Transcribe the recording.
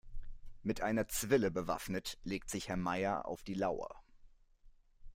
Mit einer Zwille bewaffnet legt sich Herr Meier auf die Lauer.